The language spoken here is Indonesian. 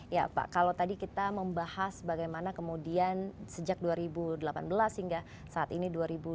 ya pak kalau tadi kita membahas bagaimana kemudian sejak dua ribu delapan belas hingga saat ini dua ribu dua puluh